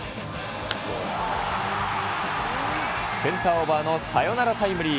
センターオーバーのサヨナラタイムリー。